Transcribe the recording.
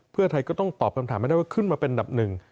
เพื่อไทยก็ต้องตอบคำถามให้ได้ว่าขึ้นมาเป็นอันดับหนึ่ง